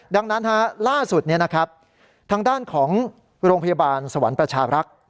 ดังนั้นล่าสุดทางด้านของโรงพยาบาลสวรรค์ประชารักษ์